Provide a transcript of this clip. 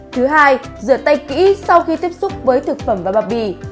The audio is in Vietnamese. thứ hai rửa tay kỹ sau khi tiếp xúc với thực phẩm và bao bì